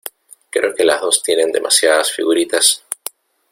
Creo que las dos tienen demasiadas figuritas.